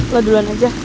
lu duluan aja